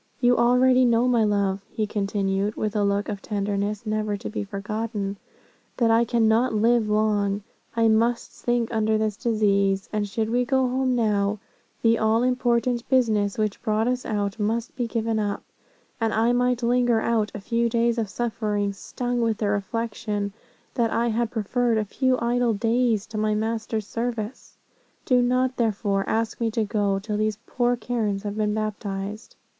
You already know, my love,' he continued, with a look of tenderness never to be forgotten, 'that I cannot live long, I must sink under this disease; and should we go home now, the all important business which brought us out, must be given up, and I might linger out a few days of suffering, stung with the reflection, that I had preferred a few idle days, to my Master's service. Do not, therefore, ask me to go, till these poor Karens have been baptized.'